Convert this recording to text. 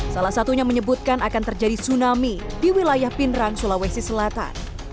salah satunya menyebutkan akan terjadi tsunami di wilayah pindrang sulawesi selatan